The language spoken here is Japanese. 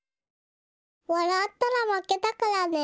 わらったらまけだからね。